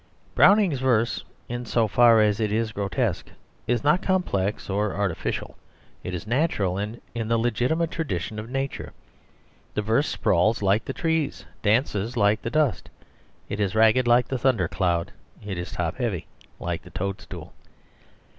Browning's verse, in so far as it is grotesque, is not complex or artificial; it is natural and in the legitimate tradition of nature. The verse sprawls like the trees, dances like the dust; it is ragged like the thunder cloud, it is top heavy like the toadstool.